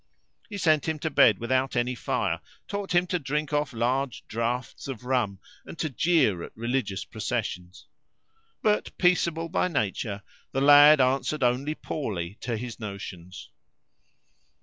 He sent him to bed without any fire, taught him to drink off large draughts of rum and to jeer at religious processions. But, peaceable by nature, the lad answered only poorly to his notions.